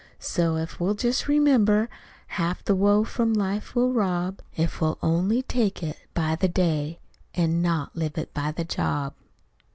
So if we'll jest remember, Half the woe from life we'll rob If we'll only take it "by the day," An' not live it "by the job."